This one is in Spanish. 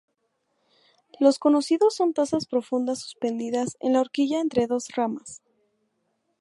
Los conocidos son tazas profundas suspendidas en la horquilla entre dos ramas.